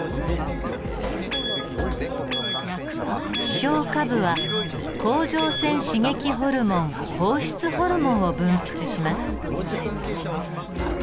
視床下部は甲状腺刺激ホルモン放出ホルモンを分泌します。